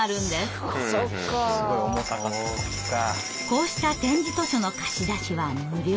こうした点字図書の貸し出しは無料。